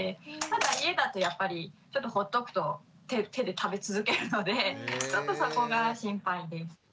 ただ家だとやっぱりほっとくと手で食べ続けるのでちょっとそこが心配です。